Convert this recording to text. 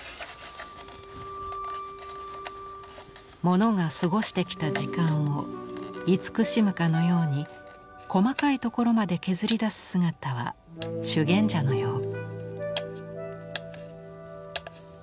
モノが過ごしてきた時間を慈しむかのように細かいところまで削り出す姿は修験者のよう。